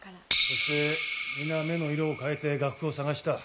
そして皆目の色を変えて楽譜を捜した。